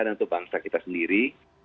dan untuk bangsa kita sendiri